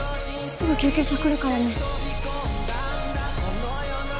すぐ救急車来るからね。